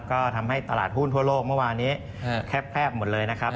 ก็ทำให้ตลาดหุ้นทั่วโลกเมื่อวานี้แคบหมดเลยนะครับ